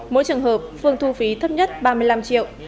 mỗi trường hợp phương thu phí thấp nhất ba mươi năm triệu